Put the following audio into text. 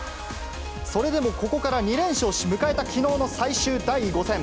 それでもここから２連勝し、迎えたきのうの最終第５戦。